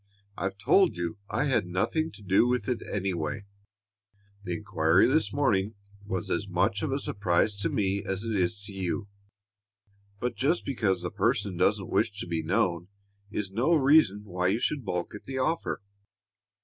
"I've told you I had nothing to do with it in any way. The inquiry this morning was as much of a surprise to me as it is to you, but just because the person doesn't wish to be known is no reason why you should balk at the offer.